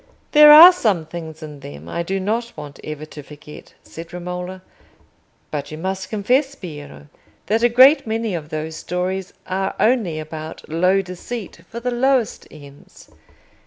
"There are some things in them I do not want ever to forget," said Romola; "but you must confess, Piero, that a great many of those stories are only about low deceit for the lowest ends.